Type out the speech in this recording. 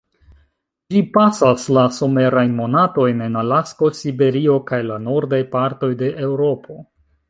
Ĝi pasas la somerajn monatojn en Alasko, Siberio, kaj la nordaj partoj de Eŭropo.